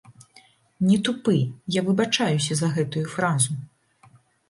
Не тупы, я выбачаюся за гэтую фразу.